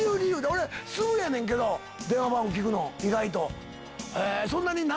俺すぐやねんけど電話番号聞くの意外と。